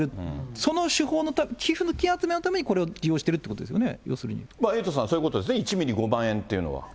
その手法の、寄付金集めのためにこれを利用してるっていうことでエイトさん、要するにそういうことですよね、１ミリ５万円というのは。